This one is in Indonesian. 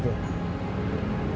terus mereka juga berpikir